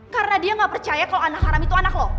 karena dia enggak percaya kalau anak haram itu anak lo